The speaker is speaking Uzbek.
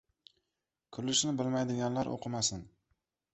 Kulishni bilmaydiganlar oʻqimasin!